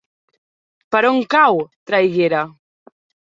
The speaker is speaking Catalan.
Per on cau Traiguera?